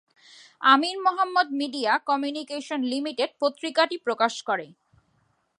আমিন Mohammad media communication limited পত্রিকাটি প্রকাশ করে।